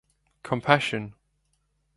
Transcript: Compassion!